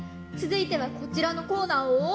つづいてはこちらのコーナーを。